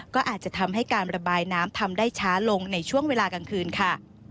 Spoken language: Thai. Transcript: ก็อาจจะทำให้การระบายน้ำทำได้ช้าลงในช่วงเวลากลางคืนค่ะ